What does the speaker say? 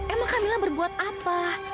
emang kamila berbuat apa